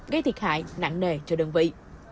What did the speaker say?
gây thiệt hại nặng nề cho đơn vị